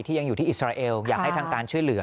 ยังอยู่ที่อิสราเอลอยากให้ทางการช่วยเหลือ